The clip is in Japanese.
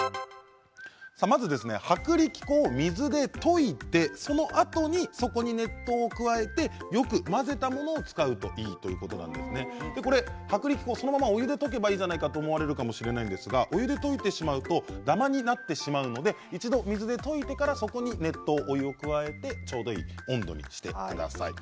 まず薄力粉を水で溶いてそのあとにそこに熱湯を加えてよく混ぜたものを使うといいということなんですが薄力粉をそのままお湯で溶けばいいんじゃないかと思われるかもしれませんが、お湯で溶いてしまうとダマになってしまうので一度水で溶いてからそこに熱湯を加えてちょうどいい温度にしてください。